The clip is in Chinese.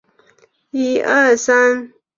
通常不单独地作为正餐。